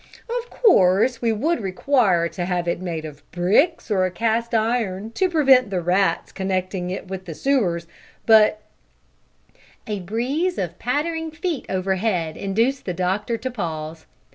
Of course, we would require to have it made of bricks or cast iron to prevent the rats connecting it with the sewers, but " A breeze of pattering feet overhead induced the doctor to pause.